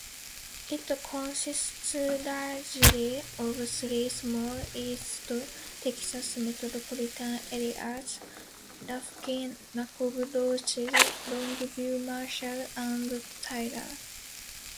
It consists largely of three small East Texas metropolitan areas-Lufkin-Nacogdoches, Longview-Marshall, and Tyler.